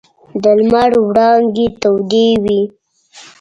د لمر وړانګې تودې وې.